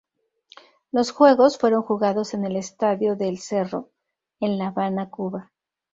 Los juegos fueron jugados en el Estadio del Cerro, en La Habana, Cuba.